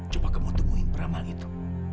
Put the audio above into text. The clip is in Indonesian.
coba kamu temuin peramal itu